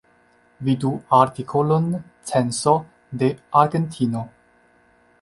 Vidu artikolon Censo de Argentino.